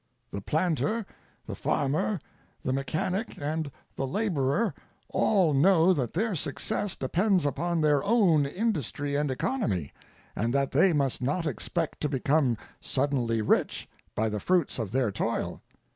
The planter, the farmer, the mechanic, and the laborer all know that their success depends upon their own industry and economy, and that they must not expect to become suddenly rich by the fruits of their toil.